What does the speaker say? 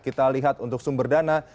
kita lihat untuk sumber dana